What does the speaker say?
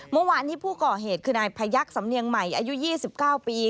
เมื่อวานนี้ผู้ก่อเหตุคือนายพยักษ์สำเนียงใหม่อายุ๒๙ปี